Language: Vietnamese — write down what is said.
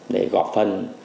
để góp phần